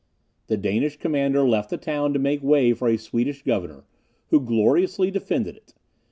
The Danish commander left the town to make way for a Swedish governor, who gloriously defended it.